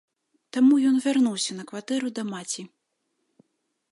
Таму ён вярнуўся на кватэру да маці.